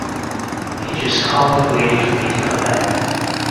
He just calmly waited for me to come back.